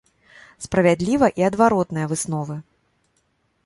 Справядліва і адваротная высновы.